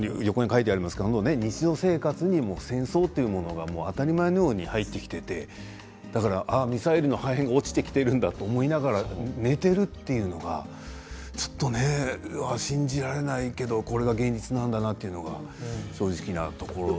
日常生活に戦争というものが当たり前に入ってきていてミサイルの破片が落ちてきていると思いながら寝ているというのがちょっとね信じられないけれどこれが現実なんだなって正直なところです。